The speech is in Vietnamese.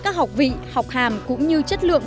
các học vị học hàm cũng như chất lượng